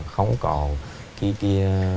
không có cái